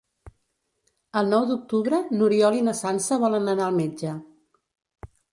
El nou d'octubre n'Oriol i na Sança volen anar al metge.